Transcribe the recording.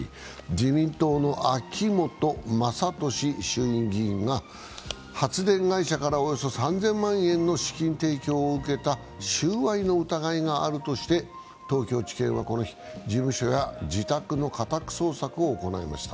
自民党の秋本真利衆議院議員が発電会社からおよそ３０００万円の資金提供を受けた収賄の疑いがあるとして、東京地検はこの日、事務所や自宅の家宅捜索を行いました。